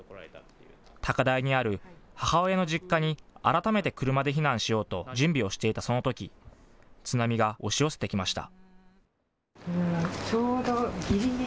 高台にある母親の実家に改めて車で避難しようと準備をしていたそのとき、津波が押し寄せてきました。